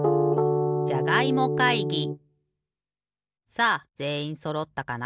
さあぜんいんそろったかな？